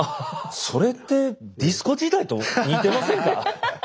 それってディスコ時代と似てませんか？